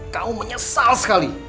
kamu menyesal sekali